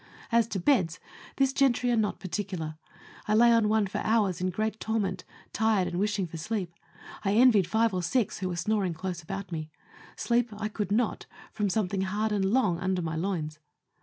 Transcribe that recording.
As to beds, this gentry are not particular. I lay on one for hours in great torment, tired and wishing for sleep ; I envied five or six who were snoring close about me. Sleep I could not, from something hard and long under my loins.